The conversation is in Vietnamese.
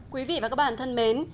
quý vị và các bạn thân mến